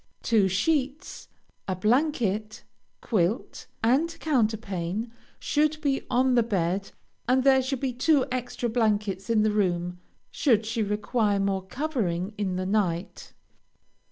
Two sheets, a blanket, quilt, and counterpane, should be on the bed, and there should be two extra blankets in the room, should she require more covering in the night.